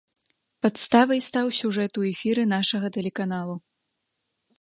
Падставай стаў сюжэт у эфіры нашага тэлеканалу.